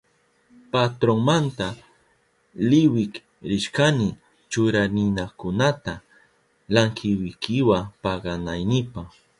Patronmanta liwik rishkani churarinakunata lankwikiwa paganaynipa.